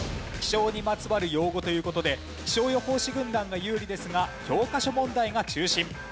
気象にまつわる用語という事で気象予報士軍団が有利ですが教科書問題が中心。